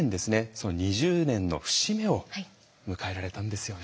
その２０年の節目を迎えられたんですよね。